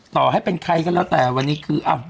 ต่อให้เป็นใครก็แล้วแต่วันนี้คือ